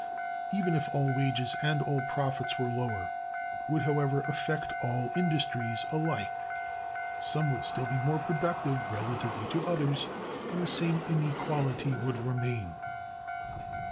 Even if all wages and all profits were lower, it would, however, affect all industries alike, and some would still be more productive relatively to others, and the same inequality would remain.